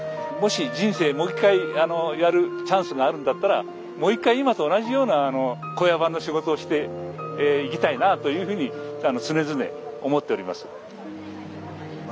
もし人生もう一回やるチャンスがあるんだったらもう一回今と同じような小屋番の仕事をして生きたいなというふうに常々思っております。